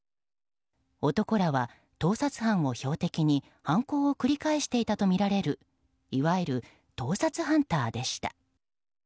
男らは盗撮犯を標的に犯行を繰り返していたとみられるいわゆる盗撮ハンターでした。